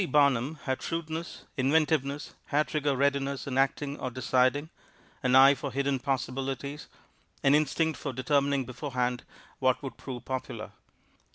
Barnum had shrewdness, inventiveness, hair trigger readiness in acting or deciding, an eye for hidden possibilities, an instinct for determining beforehand what would prove popular.